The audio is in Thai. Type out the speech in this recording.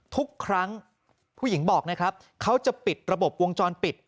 ทุกครั้งผู้หญิงบอกนะครับเขาจะปิดระบบวงจรปิด